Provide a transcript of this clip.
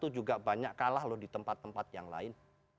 itu juga banyak kalah loh di tempat tempat yang lain